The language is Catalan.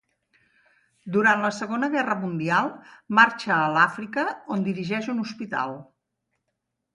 Durant la Segona Guerra Mundial, marxa a l'Àfrica, on dirigeix un hospital.